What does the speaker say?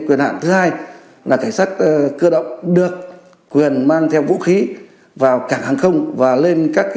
quyền hạn thứ hai là cảnh sát cơ động được quyền mang theo vũ khí vào cảng hàng không và lên các